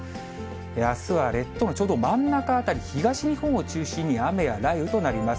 あすは列島のちょうど真ん中辺り、東日本を中心に雨や雷雨となります。